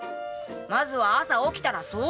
まずは朝起きたら掃除だ！